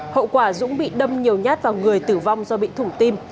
hậu quả dũng bị đâm nhiều nhát vào người tử vong do bị thủng tim